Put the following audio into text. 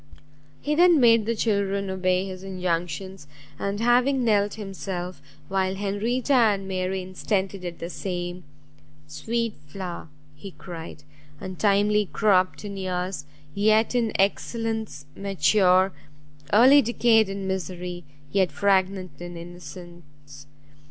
He then made the children obey his injunctions, and having knelt himself, while Henrietta and Mary instantly did the same, "Sweet flower!" he cried, "untimely cropt in years, yet in excellence mature! early decayed in misery, yet fragrant in innocence!